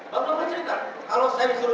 bapak mencerita kalau saya disuruh